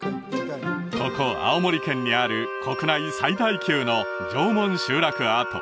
ここ青森県にある国内最大級の縄文集落跡